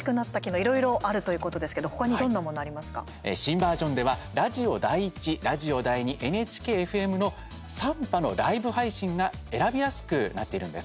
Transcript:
いろいろあるということですけど新バージョンではラジオ第１、ラジオ第２ＮＨＫ−ＦＭの３波のライブ配信が選びやすくなっているんです。